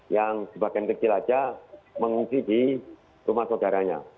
yang sebagian kecil saja mengungsi di rumah saudaranya